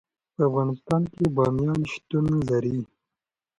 په افغانستان کې بامیان شتون لري.